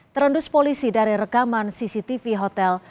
terendus polisi dari rekaman cctv hotel